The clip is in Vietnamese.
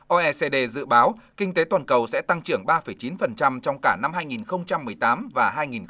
oecd dự báo kinh tế toàn cầu sẽ tăng trưởng ba chín trong cả năm hai nghìn một mươi tám và hai nghìn một mươi chín